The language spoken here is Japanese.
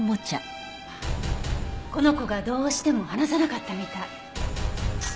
この子がどうしても離さなかったみたい。